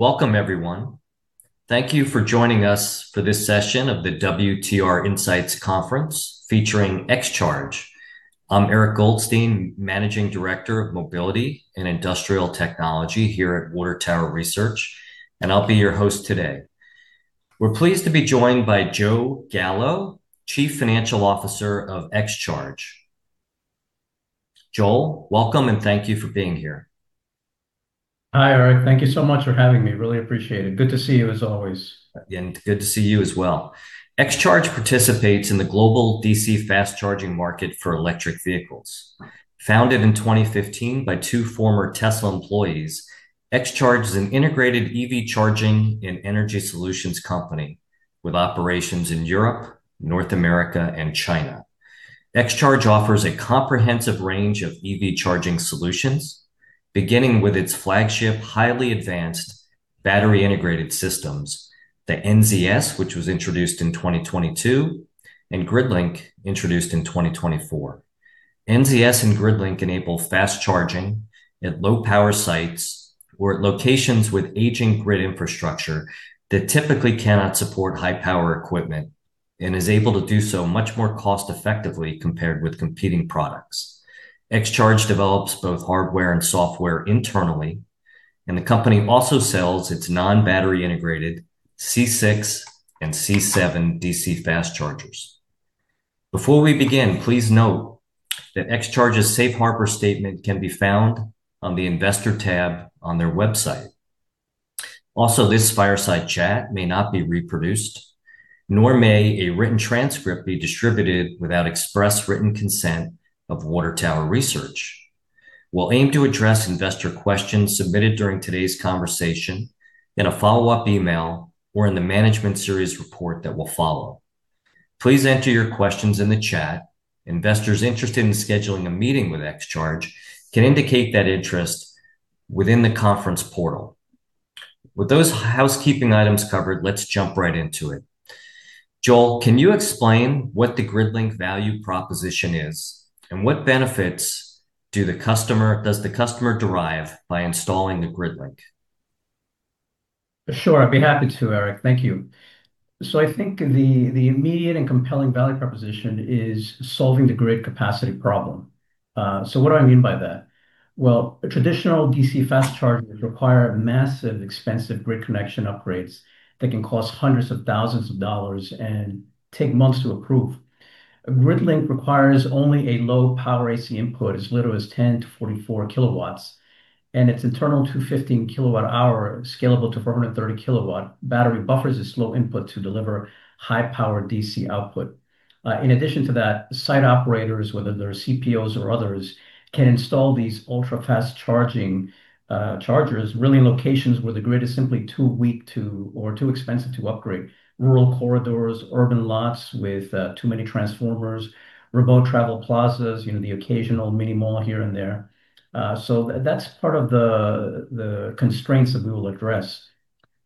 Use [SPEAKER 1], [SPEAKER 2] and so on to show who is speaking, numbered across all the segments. [SPEAKER 1] Welcome, everyone. Thank you for joining us for this session of the WTR Insights Conference featuring XCharge. I'm Eric Goldstein, Managing Director of Mobility and Industrial Technology here at Water Tower Research, and I'll be your host today. We're pleased to be joined by Joel Gallo, Chief Financial Officer of XCharge. Joel, welcome and thank you for being here.
[SPEAKER 2] Hi, Eric. Thank you so much for having me. Really appreciate it. Good to see you, as always.
[SPEAKER 1] Good to see you as well. XCharge participates in the global DC fast charging market for electric vehicles. Founded in 2015 by two former Tesla employees, XCharge is an integrated EV charging and energy solutions company with operations in Europe, North America, and China. XCharge offers a comprehensive range of EV charging solutions, beginning with its flagship, highly advanced battery-integrated systems, the NZS, which was introduced in 2022, and GridLink, introduced in 2024. NZS and GridLink enable fast charging at low-power sites or at locations with aging grid infrastructure that typically cannot support high-power equipment and is able to do so much more cost-effectively compared with competing products. XCharge develops both hardware and software internally, and the company also sells its non-battery-integrated C6 and C7 DC fast chargers. Before we begin, please note that XCharge's safe harbor statement can be found on the investor tab on their website. Also, this fireside chat may not be reproduced, nor may a written transcript be distributed without express written consent of Water Tower Research. We'll aim to address investor questions submitted during today's conversation in a follow-up email or in the management series report that will follow. Please enter your questions in the chat. Investors interested in scheduling a meeting with XCharge can indicate that interest within the conference portal. With those housekeeping items covered, let's jump right into it. Joel, can you explain what the GridLink value proposition is, and what benefits does the customer derive by installing the GridLink?
[SPEAKER 2] Sure, I'd be happy to, Eric. Thank you. I think the immediate and compelling value proposition is solving the grid capacity problem. What do I mean by that? Well, traditional DC fast chargers require massive, expensive grid connection upgrades that can cost hundreds of thousands dollars and take months to approve. GridLink requires only a low power AC input, as little as 10 kW-44 kW, and its internal 215 kWh, scalable to 430 kW, battery buffers its low input to deliver high powered DC output. In addition to that, site operators, whether they're CPOs or others, can install these ultra-fast charging chargers really in locations where the grid is simply too weak to or too expensive to upgrade, rural corridors, urban lots with too many transformers, remote travel plazas, the occasional mini mall here and there. That's part of the constraints that we will address.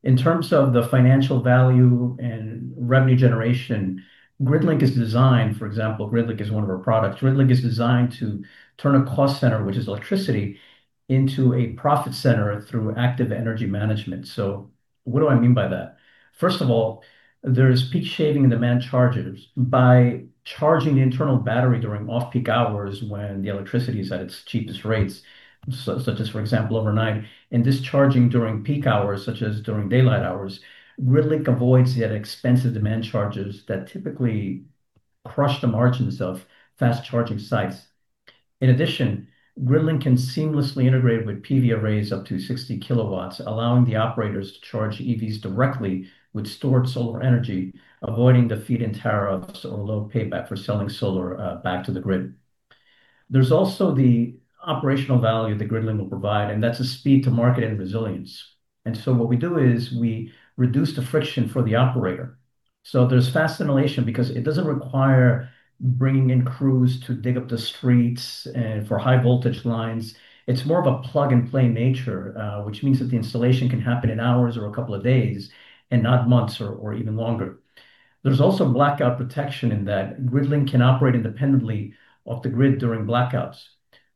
[SPEAKER 2] In terms of the financial value and revenue generation, for example, GridLink is one of our products. GridLink is designed to turn a cost center, which is electricity, into a profit center through active energy management. What do I mean by that? First of all, there is peak shaving and demand charges. By charging the internal battery during off-peak hours when the electricity is at its cheapest rates, such as, for example, overnight, and discharging during peak hours, such as during daylight hours, GridLink avoids the expensive demand charges that typically crush the margins of fast charging sites. In addition, GridLink can seamlessly integrate with PV arrays up to 60 kW, allowing the operators to charge EVs directly with stored solar energy, avoiding the feed-in tariffs or low payback for selling solar back to the grid. There's also the operational value that GridLink will provide, and that's the speed to market and resilience. What we do is we reduce the friction for the operator. There's fast installation because it doesn't require bringing in crews to dig up the streets and for high-voltage lines. It's more of a plug-and-play nature, which means that the installation can happen in hours or a couple of days and not months or even longer. There's also blackout protection in that GridLink can operate independently off the grid during blackouts,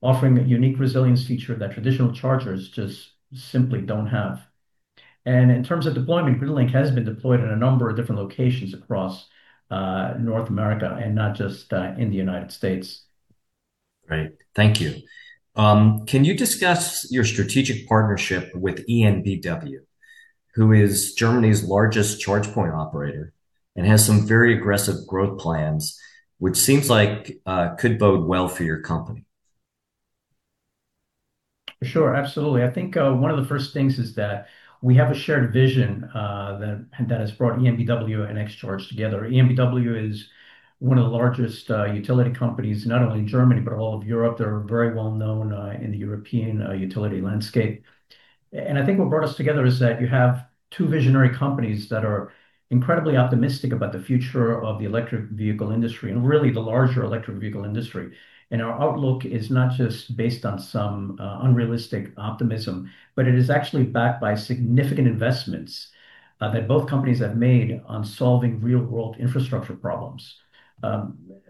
[SPEAKER 2] offering a unique resilience feature that traditional chargers just simply don't have. In terms of deployment, GridLink has been deployed in a number of different locations across North America and not just in the United States.
[SPEAKER 1] Great. Thank you. Can you discuss your strategic partnership with EnBW, who is Germany's largest charge point operator and has some very aggressive growth plans, which seems like could bode well for your company?
[SPEAKER 2] Sure. Absolutely. I think one of the first things is that we have a shared vision that has brought EnBW and XCharge together. EnBW is one of the largest utility companies, not only in Germany, but all of Europe. They're very well known in the European utility landscape. I think what brought us together is that you have two visionary companies that are incredibly optimistic about the future of the electric vehicle industry and really the larger electric vehicle industry. Our outlook is not just based on some unrealistic optimism, but it is actually backed by significant investments that both companies have made on solving real-world infrastructure problems.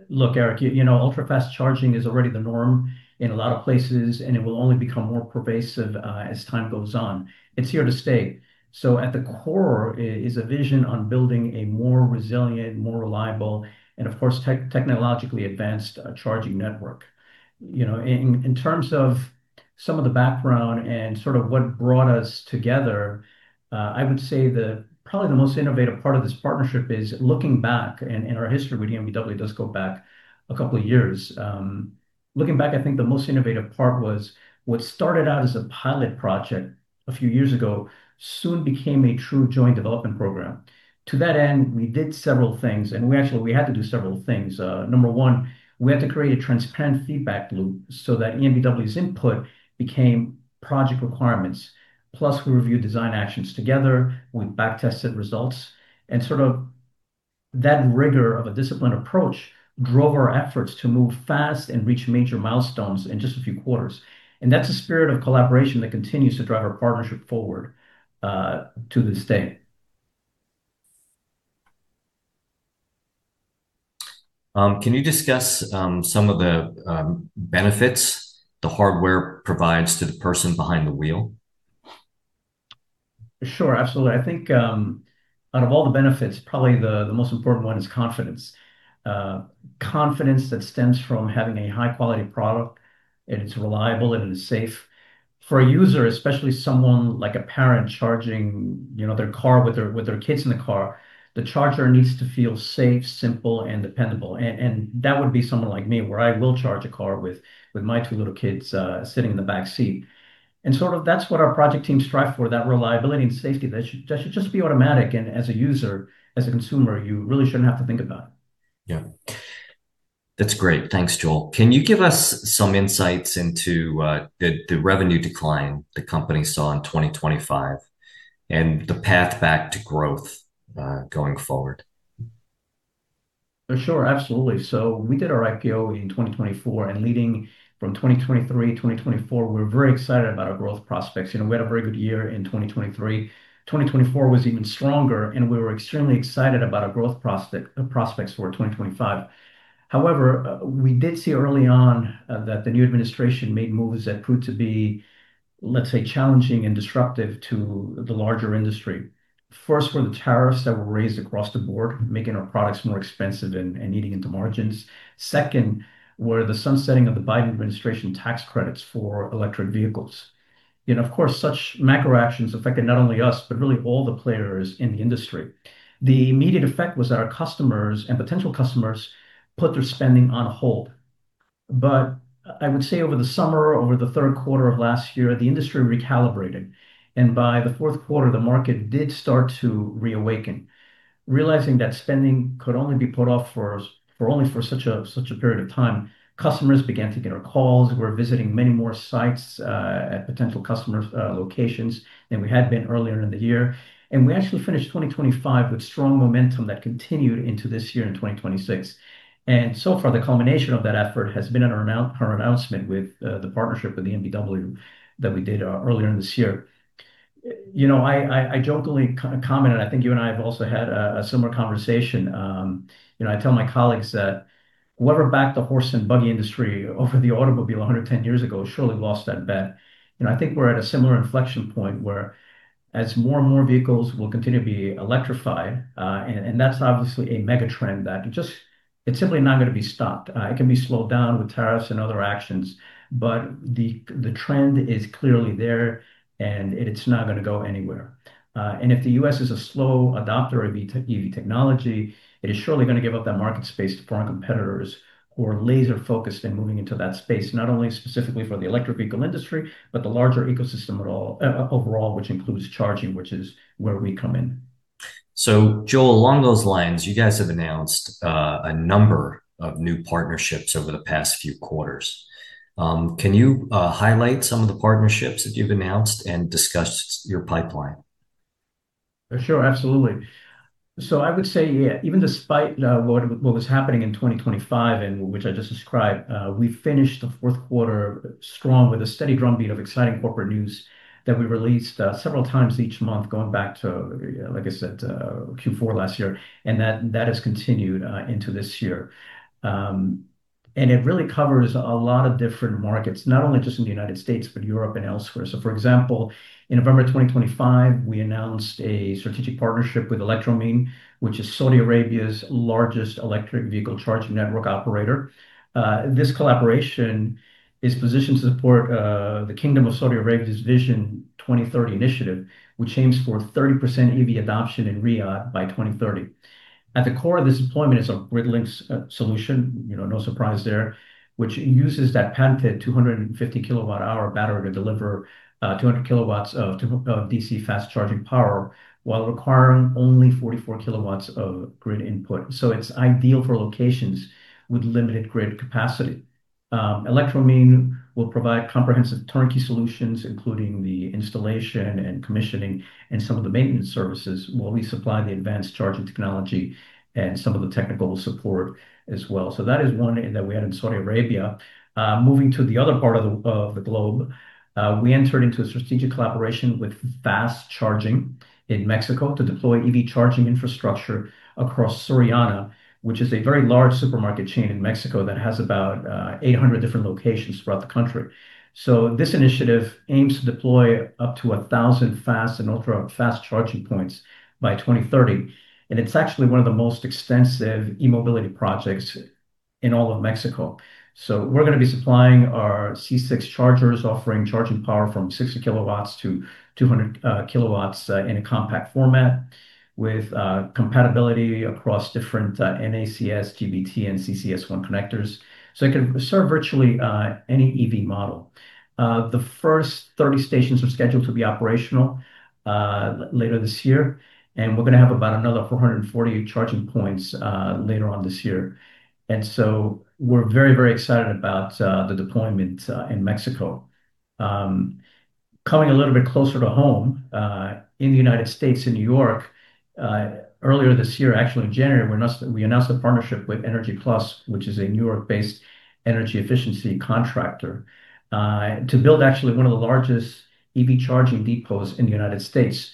[SPEAKER 2] Look, Eric, ultra-fast charging is already the norm in a lot of places, and it will only become more pervasive as time goes on. It's here to stay. At the core is a vision on building a more resilient, more reliable, and of course, technologically advanced charging network. Some of the background and sort of what brought us together, I would say probably the most innovative part of this partnership is looking back, and our history with EnBW does go back a couple of years. Looking back, I think the most innovative part was what started out as a pilot project a few years ago soon became a true joint development program. To that end, we did several things, and we actually had to do several things. Number one, we had to create a transparent feedback loop so that EnBW's input became project requirements. Plus, we reviewed design actions together. We back-tested results, and sort of that rigor of a disciplined approach drove our efforts to move fast and reach major milestones in just a few quarters. And that's the spirit of collaboration that continues to drive our partnership forward to this day.
[SPEAKER 1] Can you discuss some of the benefits the hardware provides to the person behind the wheel?
[SPEAKER 2] Sure. Absolutely. I think out of all the benefits, probably the most important one is confidence that stems from having a high-quality product, and it's reliable, and it is safe. For a user, especially someone like a parent charging their car with their kids in the car, the charger needs to feel safe, simple, and dependable. That would be someone like me, where I will charge a car with my two little kids sitting in the back seat. Sort of that's what our project teams strive for, that reliability and safety that should just be automatic. As a user, as a consumer, you really shouldn't have to think about it.
[SPEAKER 1] Yeah. That's great. Thanks, Joel. Can you give us some insights into the revenue decline the company saw in 2025 and the path back to growth going forward?
[SPEAKER 2] Sure. Absolutely. We did our IPO in 2024, and leading from 2023, 2024, we're very excited about our growth prospects. We had a very good year in 2023. 2024 was even stronger, and we were extremely excited about our growth prospects for 2025. However, we did see early on that the new Administration made moves that proved to be, let's say, challenging and disruptive to the larger industry. First were the tariffs that were raised across the board, making our products more expensive and eating into margins. Second were the sunsetting of the Biden Administration tax credits for electric vehicles. Of course, such macro actions affected not only us, but really all the players in the industry. The immediate effect was that our customers and potential customers put their spending on hold. I would say over the summer, over the third quarter of last year, the industry recalibrated, and by the fourth quarter, the market did start to reawaken, realizing that spending could only be put off for such a period of time. Customers began to get our calls. We're visiting many more sites at potential customer locations than we had been earlier in the year. We actually finished 2025 with strong momentum that continued into this year in 2026. The culmination of that effort has been our announcement with the partnership with EnBW that we did earlier this year. I jokingly comment, and I think you and I have also had a similar conversation. I tell my colleagues that whoever backed the horse and buggy industry over the automobile 110 years ago surely lost that bet. I think we're at a similar inflection point where as more and more vehicles will continue to be electrified, and that's obviously a megatrend that it's simply not going to be stopped. It can be slowed down with tariffs and other actions, but the trend is clearly there, and it's not going to go anywhere. If the U.S. is a slow adopter of EV technology, it is surely going to give up that market space to foreign competitors who are laser-focused in moving into that space, not only specifically for the electric vehicle industry, but the larger ecosystem overall, which includes charging, which is where we come in.
[SPEAKER 1] Joel, along those lines, you guys have announced a number of new partnerships over the past few quarters. Can you highlight some of the partnerships that you've announced and discuss your pipeline?
[SPEAKER 2] Sure. Absolutely. I would say, even despite what was happening in 2025 and which I just described, we finished the fourth quarter strong with a steady drumbeat of exciting corporate news that we released several times each month, going back to, like I said, Q4 last year, and that has continued into this year. It really covers a lot of different markets, not only just in the United States, but Europe and elsewhere. For example, in November 2025, we announced a strategic partnership with Electromin, which is Saudi Arabia's largest electric vehicle charging network operator. This collaboration is positioned to support the Kingdom of Saudi Arabia's Vision 2030 initiative, which aims for 30% EV adoption in Riyadh by 2030. At the core of this deployment is a GridLink solution, no surprise there, which uses that patented 250 kWh battery to deliver 200 kW of DC fast charging power while requiring only 44 kW of grid input. It's ideal for locations with limited grid capacity. Electromin will provide comprehensive turnkey solutions, including the installation and commissioning, and some of the maintenance services, while we supply the advanced charging technology and some of the technical support as well. That is one that we had in Saudi Arabia. Moving to the other part of the globe, we entered into a strategic collaboration with FAZT Charging in Mexico to deploy EV charging infrastructure across Soriana, which is a very large supermarket chain in Mexico that has about 800 different locations throughout the country. This initiative aims to deploy up to 1,000 fast and ultra-fast charging points by 2030, and it's actually one of the most extensive e-mobility projects in all of Mexico. We're going to be supplying our C6 chargers, offering charging power from 60 kW-200 kW in a compact format with compatibility across different NACS, GBT, and CCS1 connectors. It can serve virtually any EV model. The first 30 stations are scheduled to be operational later this year, and we're going to have about another 440 charging points later on this year. We're very excited about the deployment in Mexico. Coming a little bit closer to home, in the United States, in New York, earlier this year, actually in January, we announced a partnership with Energy Plus, which is a New York-based energy efficiency contractor, to build actually one of the largest EV charging depots in the United States.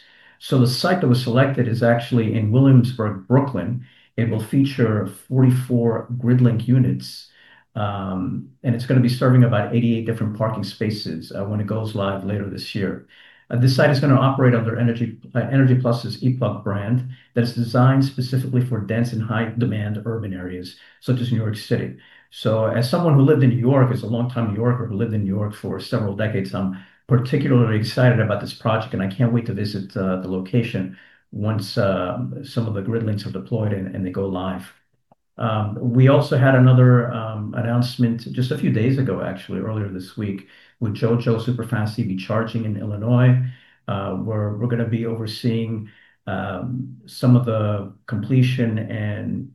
[SPEAKER 2] The site that was selected is actually in Williamsburg, Brooklyn. It will feature 44 GridLink units. It's going to be serving about 88 different parking spaces when it goes live later this year. This site is going to operate under Energy Plus's E-Plug brand that is designed specifically for dense and high-demand urban areas such as New York City. As someone who lived in New York, as a longtime New Yorker who lived in New York for several decades, I'm particularly excited about this project, and I can't wait to visit the location once some of the GridLinks are deployed, and they go live. We also had another announcement just a few days ago, actually earlier this week, with JOJO Superfast EV charging in Illinois. We're going to be overseeing some of the completion and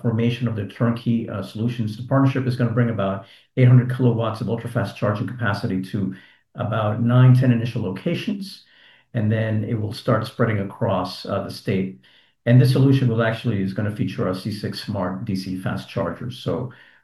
[SPEAKER 2] formation of their turnkey solutions. The partnership is going to bring about 800 kW of ultra-fast charging capacity to about nine, 10 initial locations. It will start spreading across the state. This solution is going to feature our C6 smart DC fast chargers.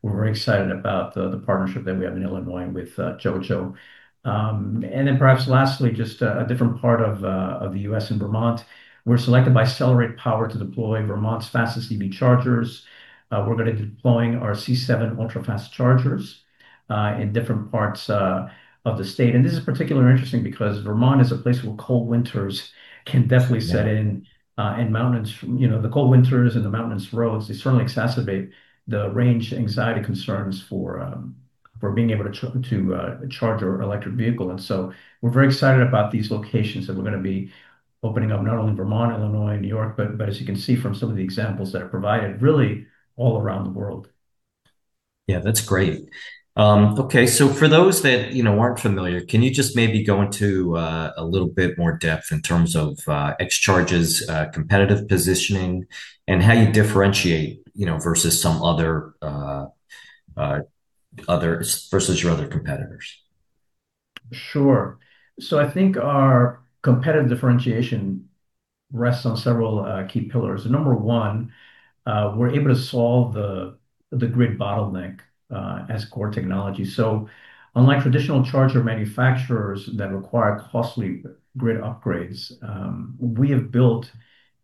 [SPEAKER 2] We're very excited about the partnership that we have in Illinois with JOJO. Perhaps lastly, just a different part of the U.S. in Vermont, we're selected by Cellerate Power to deploy Vermont's fastest EV chargers. We're going to be deploying our C7 ultra-fast chargers in different parts of the state. This is particularly interesting because Vermont is a place where cold winters can definitely set in mountains. The cold winters and the mountainous roads, they certainly exacerbate the range anxiety concerns for being able to charge your electric vehicle. We're very excited about these locations that we're going to be opening up, not only Vermont, Illinois, New York, but as you can see from some of the examples that I've provided, really all around the world.
[SPEAKER 1] Yeah, that's great. Okay. For those that aren't familiar, can you just maybe go into a little bit more depth in terms of XCharge's competitive positioning and how you differentiate versus your other competitors?
[SPEAKER 2] Sure. I think our competitive differentiation rests on several key pillars. Number one, we're able to solve the grid bottleneck as core technology. Unlike traditional charger manufacturers that require costly grid upgrades, we have built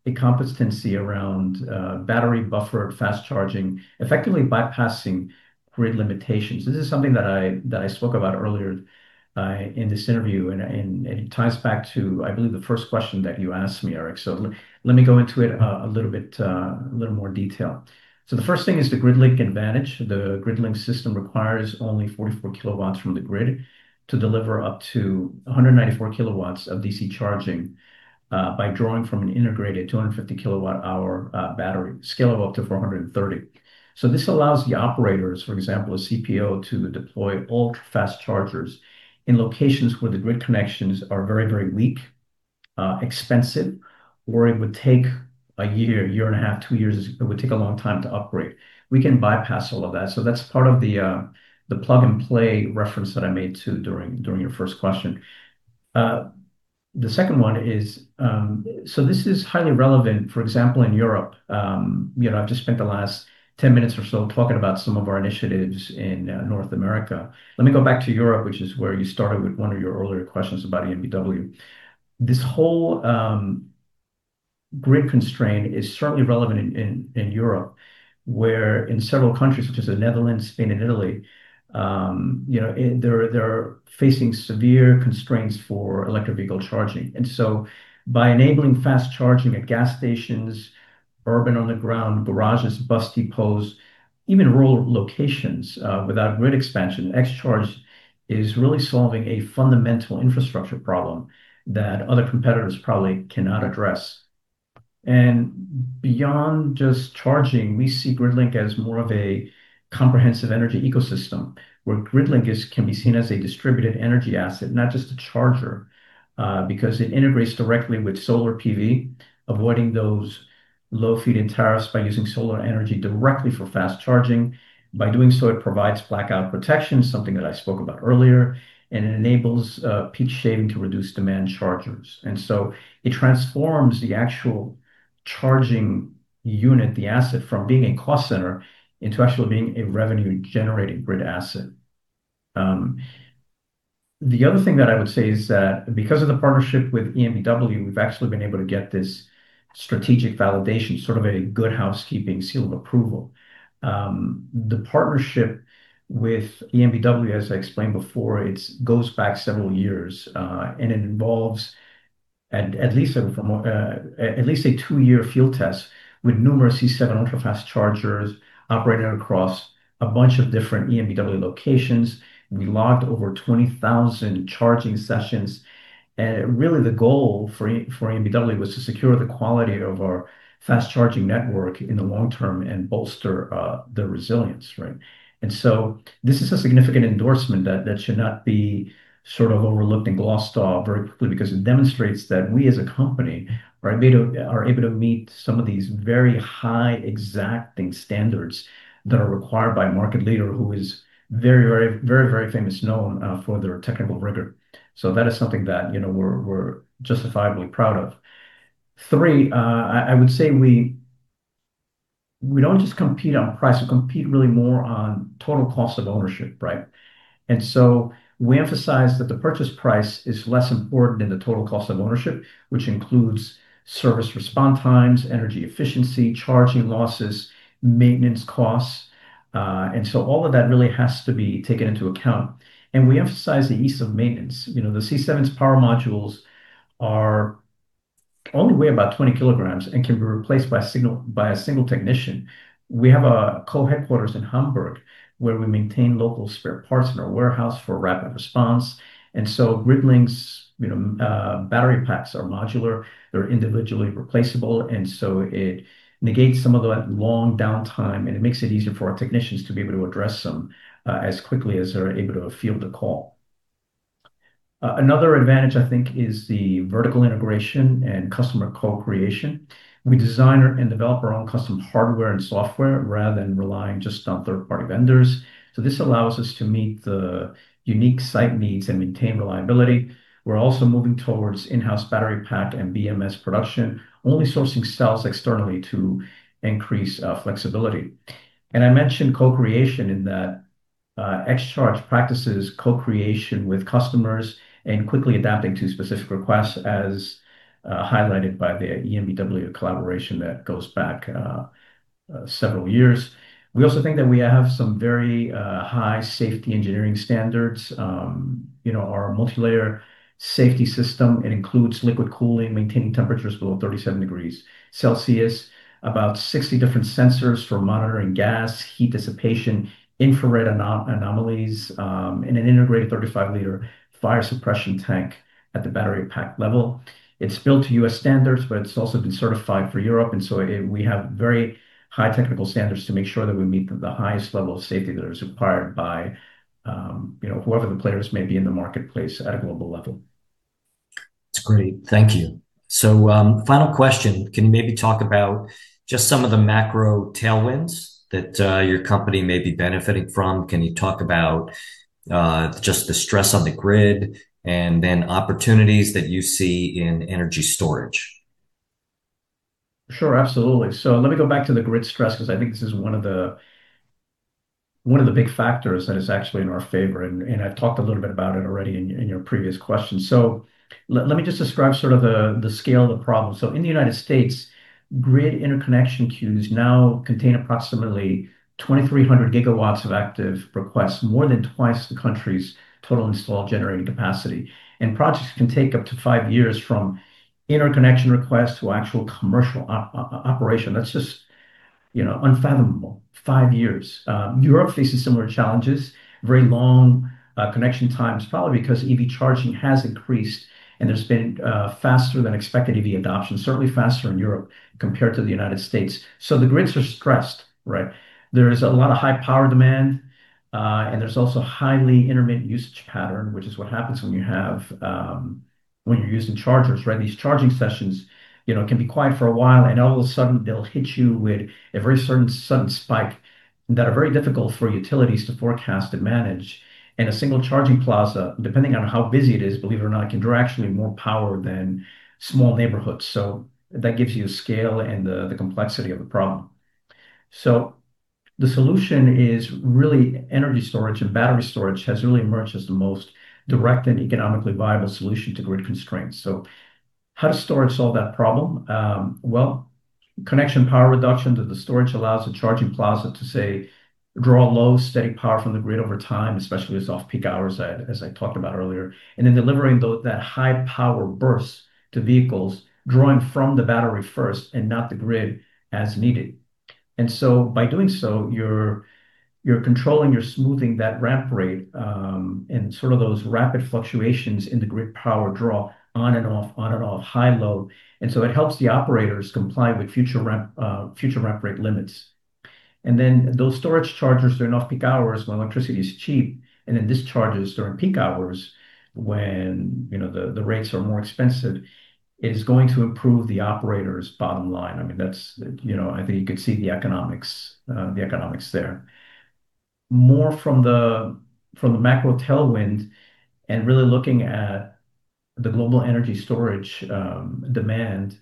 [SPEAKER 2] a competency around battery buffer fast charging, effectively bypassing grid limitations. This is something that I spoke about earlier in this interview, and it ties back to, I believe, the first question that you asked me, Eric. Let me go into it a little more detail. The first thing is the GridLink advantage. The GridLink system requires only 44 kW from the grid to deliver up to 194 kW of DC charging by drawing from an integrated 250 kWh battery, scalable up to 430. This allows the operators, for example, a CPO, to deploy bulk fast chargers in locations where the grid connections are very, very weak, expensive, or it would take a year and a half, two years. It would take a long time to upgrade. We can bypass all of that. That's part of the plug-and-play reference that I made, too, during your first question. This is highly relevant, for example, in Europe. I've just spent the last 10 minutes or so talking about some of our initiatives in North America. Let me go back to Europe, which is where you started with one of your earlier questions about EnBW. This whole grid constraint is certainly relevant in Europe, where in several countries, such as the Netherlands, Spain, and Italy, they're facing severe constraints for electric vehicle charging. By enabling fast charging at gas stations, urban on-the-ground garages, bus depots, even rural locations without grid expansion, XCharge is really solving a fundamental infrastructure problem that other competitors probably cannot address. Beyond just charging, we see GridLink as more of a comprehensive energy ecosystem, where GridLink can be seen as a distributed energy asset, not just a charger, because it integrates directly with solar PV, avoiding those low feed-in tariffs by using solar energy directly for fast charging. By doing so, it provides blackout protection, something that I spoke about earlier, and it enables peak shaving to reduce demand charges. It transforms the actual charging unit, the asset, from being a cost center into actually being a revenue-generating grid asset. The other thing that I would say is that because of the partnership with EnBW, we've actually been able to get this strategic validation, sort of a Good Housekeeping Seal of Approval. The partnership with EnBW, as I explained before, it goes back several years. It involves at least a two-year field test with numerous C7 ultrafast chargers operating across a bunch of different EnBW locations. We logged over 20,000 charging sessions. Really the goal for EnBW was to secure the quality of our fast charging network in the long term and bolster the resilience. This is a significant endorsement that should not be sort of overlooked and glossed over very quickly because it demonstrates that we as a company are able to meet some of these very high exacting standards that are required by a market leader who is very famous, known for their technical rigor. That is something that we're justifiably proud of. Three, I would say we don't just compete on price, we compete really more on total cost of ownership. We emphasize that the purchase price is less important than the total cost of ownership, which includes service response times, energy efficiency, charging losses, maintenance costs. All of that really has to be taken into account. We emphasize the ease of maintenance. The C7's power modules only weigh about 20 kg and can be replaced by a single technician. We have a co-headquarters in Hamburg where we maintain local spare parts in our warehouse for rapid response. GridLink's battery packs are modular. They're individually replaceable, and so it negates some of that long downtime, and it makes it easier for our technicians to be able to address them as quickly as they're able to field a call. Another advantage, I think, is the vertical integration and customer co-creation. We design and develop our own custom hardware and software rather than relying just on third-party vendors. This allows us to meet the unique site needs and maintain reliability. We're also moving towards in-house battery pack and BMS production, only sourcing cells externally to increase flexibility. I mentioned co-creation in that XCharge practices co-creation with customers and quickly adapting to specific requests as highlighted by the EnBW collaboration that goes back several years. We also think that we have some very high safety engineering standards. Our multilayer safety system, it includes liquid cooling, maintaining temperatures below 37 degrees Celsius, about 60 different sensors for monitoring gas, heat dissipation, infrared anomalies, and an integrated 35 liter fire suppression tank at the battery pack level. It's built to U.S. standards, but it's also been certified for Europe, and so we have very high technical standards to make sure that we meet the highest level of safety that is required by whoever the players may be in the marketplace at a global level.
[SPEAKER 1] That's great. Thank you. Final question. Can you maybe talk about just some of the macro tailwinds that your company may be benefiting from? Can you talk about just the stress on the grid, and then opportunities that you see in energy storage?
[SPEAKER 2] Sure, absolutely. Let me go back to the grid stress because I think this is one of the big factors that is actually in our favor, and I've talked a little bit about it already in your previous question. Let me just describe sort of the scale of the problem. In the United States, grid interconnection queues now contain approximately 2,300 GW of active requests, more than twice the country's total installed generating capacity. Projects can take up to five years from interconnection request to actual commercial operation. That's just unfathomable. Five years. Europe faces similar challenges, very long connection times, probably because EV charging has increased, and there's been faster than expected EV adoption, certainly faster in Europe compared to the United States. The grids are stressed, right? There is a lot of high power demand, and there's also highly intermittent usage pattern, which is what happens when you're using chargers, right? These charging sessions can be quiet for a while, and all of a sudden they'll hit you with a very certain sudden spike that are very difficult for utilities to forecast and manage. A single charging plaza, depending on how busy it is, believe it or not, can draw actually more power than small neighborhoods. That gives you scale and the complexity of the problem. The solution is really energy storage, and battery storage has really emerged as the most direct and economically viable solution to grid constraints. How does storage solve that problem? Well, connection power reduction to the storage allows the charging plaza to, say, draw low steady power from the grid over time, especially at off-peak hours, as I talked about earlier, delivering that high power burst to vehicles drawing from the battery first and not the grid as needed. By doing so, you're controlling, you're smoothing that ramp rate, and sort of those rapid fluctuations in the grid power draw on and off, high, low. It helps the operators comply with future ramp rate limits. Those storage chargers during off-peak hours when electricity is cheap, and then discharges during peak hours when the rates are more expensive, is going to improve the operator's bottom line. I think you could see the economics there. More from the macro tailwind and really looking at the global energy storage demand,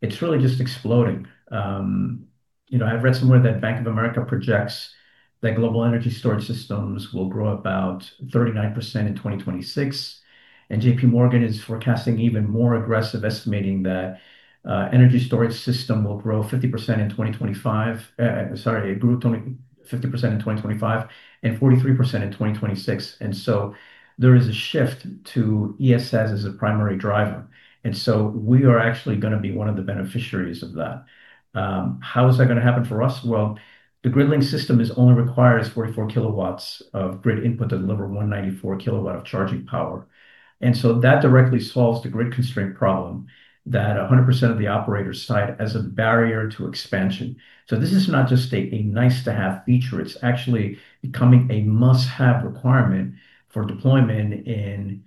[SPEAKER 2] it's really just exploding. I've read somewhere that Bank of America projects that global energy storage systems will grow about 39% in 2026, and JPMorgan is forecasting even more aggressive, estimating that energy storage system will grow 50% in 2025. Sorry, it grew 50% in 2025 and 43% in 2026. There is a shift to ESS as a primary driver. We are actually going to be one of the beneficiaries of that. How is that going to happen for us? Well, the GridLink system only requires 44 kW of grid input to deliver 194 kW of charging power. That directly solves the grid constraint problem that 100% of the operators cite as a barrier to expansion. This is not just a nice-to-have feature, it's actually becoming a must-have requirement for deployment in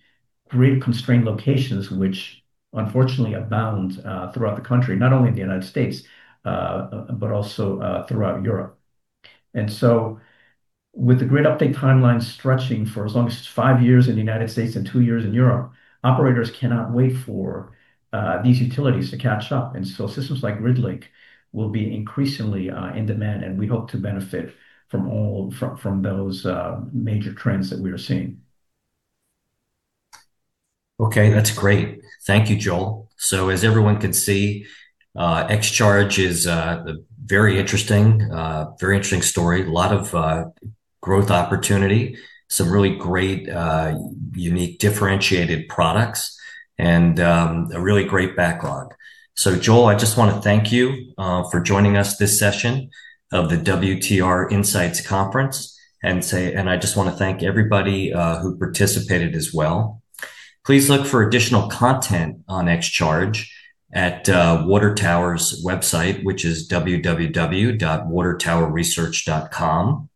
[SPEAKER 2] grid-constrained locations, which unfortunately abound throughout the country, not only in the United States, but also throughout Europe. With the grid update timeline stretching for as long as five years in the United States and two years in Europe, operators cannot wait for these utilities to catch up. Systems like GridLink will be increasingly in demand, and we hope to benefit from those major trends that we are seeing.
[SPEAKER 1] Okay, that's great. Thank you, Joel. As everyone can see, XCharge is very interesting. Very interesting story. A lot of growth opportunity, some really great, unique, differentiated products, and a really great backlog. Joel, I just want to thank you for joining us this session of the WTR Insights Conference and I just want to thank everybody who participated as well. Please look for additional content on XCharge at Water Tower's website, which is www.watertowerresearch.com,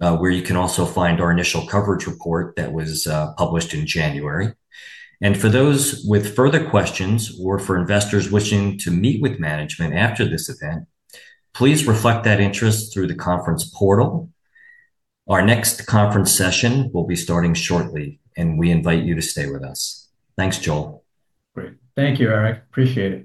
[SPEAKER 1] where you can also find our initial coverage report that was published in January. For those with further questions or for investors wishing to meet with management after this event, please reflect that interest through the conference portal. Our next conference session will be starting shortly and we invite you to stay with us. Thanks, Joel.
[SPEAKER 2] Great. Thank you, Eric. Appreciate it.